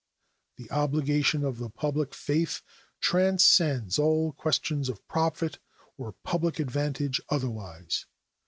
The obligation of the public faith transcends all questions of profit or public advantage otherwise.